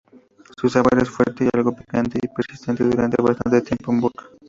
Su sabor es fuerte y algo picante y persiste durante bastante tiempo en boca.